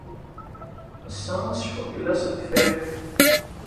Ass-a, ad nesfugel ass n Tefriqt.